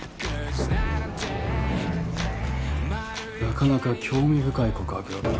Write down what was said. なかなか興味深い告白だった。